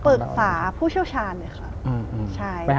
ปรึกษาผู้เชี่ยวชาญเลยค่ะ